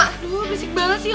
aduh berisik banget sih